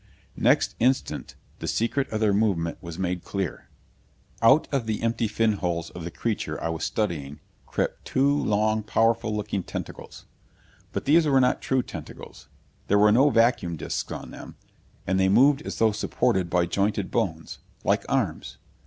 Next instant the secret of their movement was made clear! Out of the empty fin holes of the creature I was studying crept two long, powerful looking tentacles. But these were not true tentacles. There were no vacuum discs on them, and they moved as though supported by jointed bones like arms.